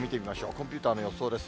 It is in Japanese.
コンピューターの予想です。